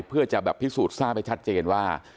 เพื่อจะแบบพิสูจน์ทราบให้ชัดเจนว่า